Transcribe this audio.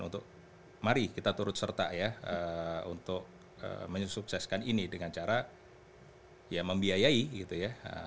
untuk mari kita turut serta ya untuk menyusukseskan ini dengan cara ya membiayai gitu ya